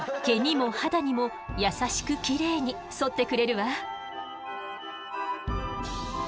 毛にも肌にも優しくきれいにそってくれるわ。